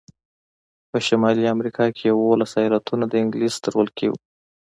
په شمالي امریکا کې یوولس ایالتونه د انګلیس تر ولکې وو.